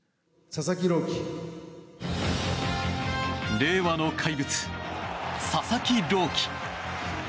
令和の怪物、佐々木朗希。